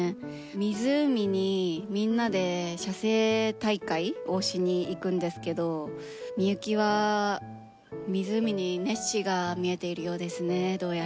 湖にみんなで写生大会をしに行くんですけど深雪は湖にネッシーが見えているようですねどうやら。